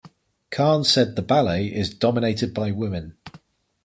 Khan said the ballet is "dominated by women".